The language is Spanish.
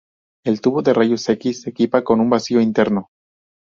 El tubo de rayos X se equipa con un vacío interno.